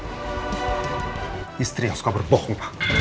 miepah istri yang suka berbohong